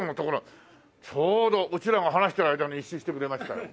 ちょうどうちらが話してる間に一周してくれましたよ。